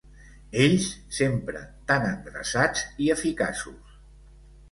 Ells sempre tan endreçats i eficaços.